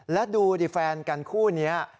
และดูดิแฟนกันคู่เนี่ย